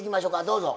どうぞ。